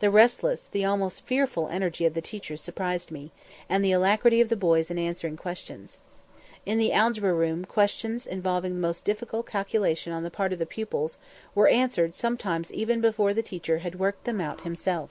The restless, the almost fearful energy of the teachers surprised me, and the alacrity of the boys in answering questions. In the algebra room questions involving the most difficult calculation on the part of the pupils were answered sometimes even before the teacher had worked them out himself.